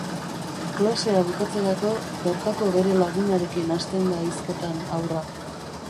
Klasea bukatzerako, bertako bere lagunarekin hasten da hizketan haurra.